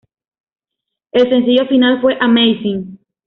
El sencillo final fue "Amazing".